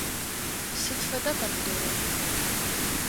Сыд фэда помидорыр?